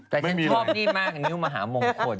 แต่ฉันชอบนี่มากนิ้วมหามงคล